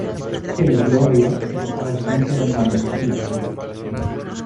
El Gloria está ausente en el manuscrito.